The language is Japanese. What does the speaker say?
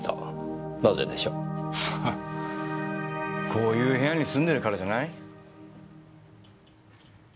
こういう部屋に住んでるからじゃない？